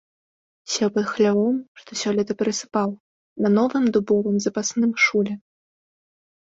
Сеў пад хлявом, што сёлета перасыпаў, на новым дубовым запасным шуле.